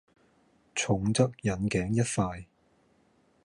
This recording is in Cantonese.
重則引頸一快